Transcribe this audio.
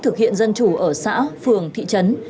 thực hiện dân chủ ở xã phường thị trấn